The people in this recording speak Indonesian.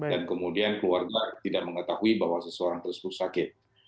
dan kemudian keluarga tidak mengetahui bahwa seseorang tersebut sakit